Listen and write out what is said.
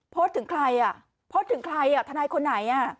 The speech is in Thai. โพสต์ถึงใครอ่ะโพสต์ถึงใครอ่ะทนายคนไหน